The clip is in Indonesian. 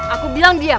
aku bilang diam